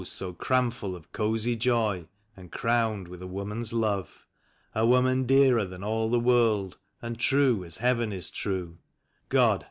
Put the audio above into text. so cramful of cosy joy, and crowned with a woman's love; A woman dearer than all the world, and true as Heaven is true — (God!